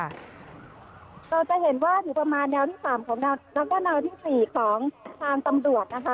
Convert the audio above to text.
เราจะเห็นว่าอยู่ประมาณแนวที่๓ของแล้วก็แนวที่๔ของทางตำรวจนะคะ